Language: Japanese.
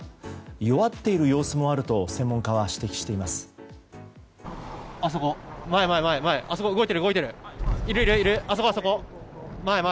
弱っている様子もあると専門家は指摘しています。